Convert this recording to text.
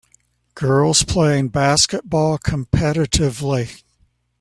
Girls playing basketball competitively